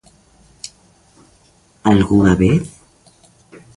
¿Algunha vez?